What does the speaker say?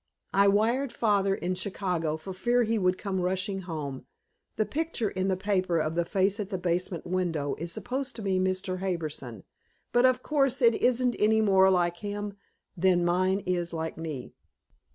I wired father in Chicago for fear he would come rushing home. The picture in the paper of the face at the basement window is supposed to be Mr. Harbison, but of course it isn't any more like him than mine is like me.